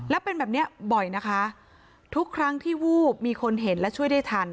แล้วเป็นแบบนี้บ่อยนะคะทุกครั้งที่วูบมีคนเห็นและช่วยได้ทัน